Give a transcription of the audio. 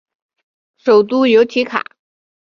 首府由提卡。